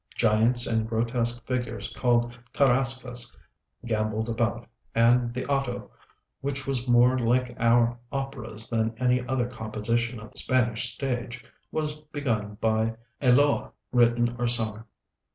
Giants and grotesque figures called tarascas gamboled about; and the auto, which was more like our operas than any other composition of the Spanish stage, was begun by a loa, written or sung.